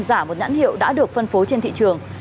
giả một nhãn hiệu đã được phân phối trên thị trường